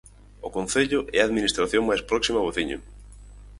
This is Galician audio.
O concello é a administración máis próxima ao veciño.